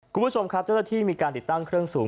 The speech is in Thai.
คุณผู้ชมครับเจ้าหน้าที่มีการติดตั้งเครื่องสูง